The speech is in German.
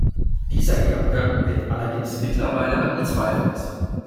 Dieser Erbgang wird allerdings mittlerweile angezweifelt.